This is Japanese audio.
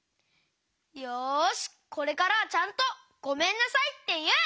よしこれからはちゃんと「ごめんなさい」っていう！